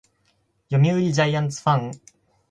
読売ジャイアンツファン